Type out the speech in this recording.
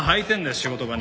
仕事場に。